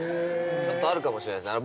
ちょっとあるかもしれないです